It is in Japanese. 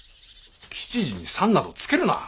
吉次に「さん」などつけるな！